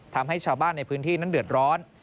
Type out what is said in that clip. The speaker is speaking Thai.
ทำให้ชาวบ้านในพื้นที่นั้นเดือดร้อน